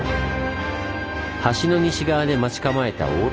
橋の西側で待ち構えた大谷隊。